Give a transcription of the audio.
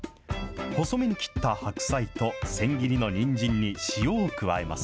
細めに切った白菜と千切りのにんじんに塩を加えます。